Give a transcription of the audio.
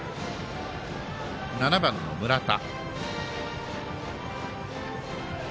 ７番の村田。